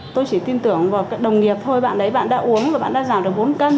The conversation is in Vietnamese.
tôi chỉ tin tưởng vào đồng nghiệp thôi bạn đấy bạn đã uống và bạn đã giảm được bốn cân